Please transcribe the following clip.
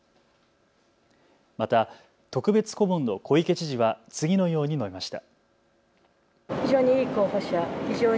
また特別顧問の小池知事は次のように述べました。